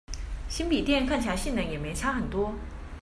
新筆電看起來性能也沒差很多